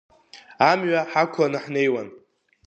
Амҩа ҳақәланы ҳнеиуан.